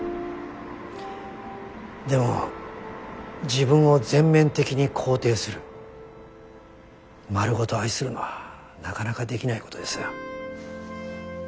でも自分を全面的に肯定する丸ごと愛するのはなかなかできないことですよ。